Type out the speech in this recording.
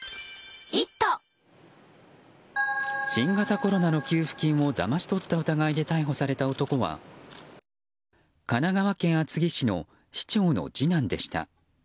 新型コロナの給付金をだまし取った疑いで逮捕された男は神奈川県厚木市の市長の次男でした。